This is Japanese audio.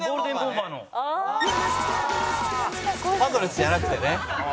パドレスじゃなくてね。